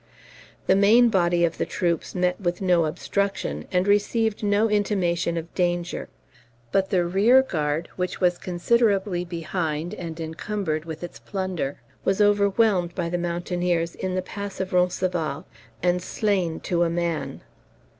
The main body of the troops met with no obstruction, and received no intimation of danger; but the rear guard, which was considerably behind, and encumbered with its plunder, was overwhelmed by the mountaineers in the pass of Roncesvalles, and slain to a man.